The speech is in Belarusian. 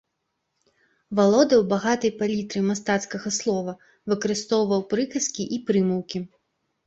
Валодаў багатай палітрай мастацкага слова, выкарыстоўваў прыказкі і прымаўкі.